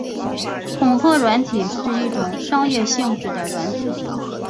恐吓软体是一种商业性质的软体。